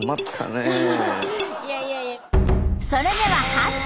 それでは判定！